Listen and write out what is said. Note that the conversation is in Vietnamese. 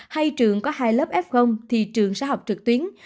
hay trường có hai lớp f thì trường sẽ học trực tuyến